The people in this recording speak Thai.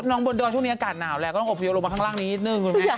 น้องเมนเดอร์ช่วงนี้อากาศหนาวแหละก็ต้องเอาเพลียวลงมาข้างล่างนิดนึงคุณแม่